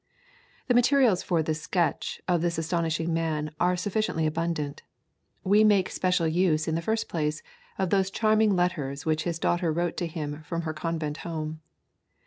The materials for the sketch of this astonishing man are sufficiently abundant. We make special use in this place of those charming letters which his daughter wrote to him from her convent home.